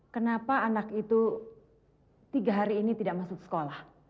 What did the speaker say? kenapa anak itu tiga hari ini tidak masuk sekolah